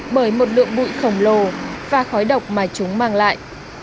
bởi một lượng bụi khổng lồ và khói độc mà chúng mang lại